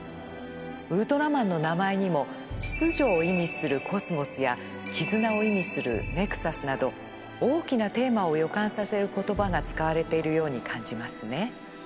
ウルトラマンの名前にも「秩序」を意味する「Ｃｏｓｍｏｓ」や「絆」を意味する「Ｎｅｘｕｓ」など大きなテーマを予感させる言葉が使われているように感じますね。